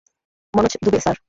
Manoj Dubey, sir.